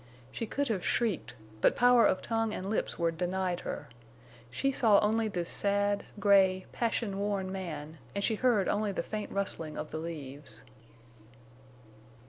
She could have shrieked, but power of tongue and lips were denied her. She saw only this sad, gray, passion worn man, and she heard only the faint rustling of the leaves.